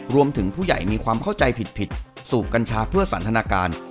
ผู้ใหญ่มีความเข้าใจผิดสูบกัญชาเพื่อสันทนาการ